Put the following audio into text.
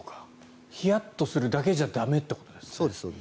ヒヤッとするだけじゃ駄目ってことですね。